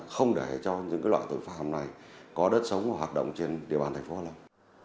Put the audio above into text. không để cho những loại tội phạm này có đất sống hoạt động trên địa bàn tp hạ long